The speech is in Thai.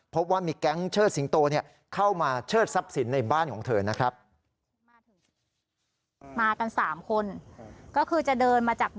พบว่ามีแก๊งเชิดสิงโตเข้ามาเชิดทรัพย์สินในบ้านของเธอนะครับ